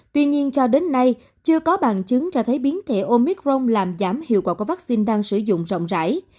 tuy nhiên cho đến nay chưa có bằng chứng cho thấy biến thể omicrong làm giảm hiệu quả của vaccine đang sử dụng rộng rãi